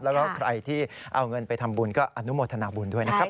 แล้วก็ใครที่เอาเงินไปทำบุญก็อนุโมทนาบุญด้วยนะครับ